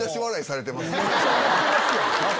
めっちゃ笑ってますやん！